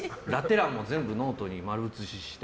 欄も全部ノートに丸写しして。